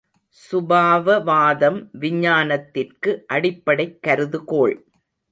சுபாவவாதம், விஞ்ஞானத்திற்கு அடிப்படைக் கருதுகோள்.